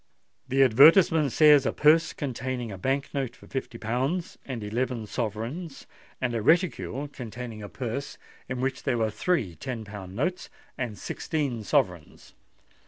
The advertisement says '_A purse containing a Bank note for fifty pounds and eleven sovereigns, and a reticule containing a purse in which there were three ten pound notes and sixteen sovereigns.